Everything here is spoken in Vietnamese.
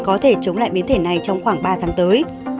có thể chống lại biến thể này trong khoảng ba tháng tới